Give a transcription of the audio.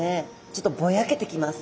ちょっとぼやけてきます。